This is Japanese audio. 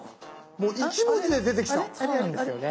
もう１文字で出てきた。